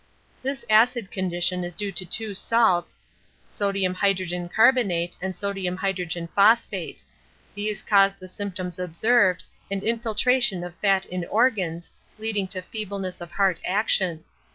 This acid condition is due to two salts, sodium hydrogen carbonate and sodium hydrogen phosphate; these cause the symptoms observed and infiltration of fat in organs, leading to feebleness of heart action.